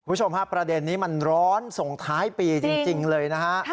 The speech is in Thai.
คุณผู้ชมครับประเด็นนี้มันร้อนส่งท้ายปีจริงเลยนะฮะ